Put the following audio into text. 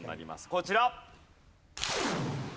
こちら！